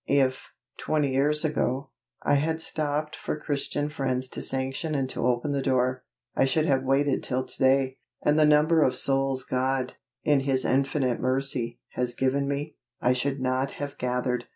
If, twenty years ago, I had stopped for Christian friends to sanction and to open the door, I should have waited till today, and the number of souls God, in His infinite mercy, has given me, I should not have gathered.